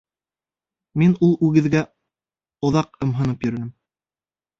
— Мин ул үгеҙгә оҙаҡ ымһынып йөрөнөм.